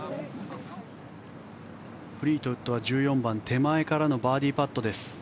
フリートウッドは１４番手前からのバーディーパットです。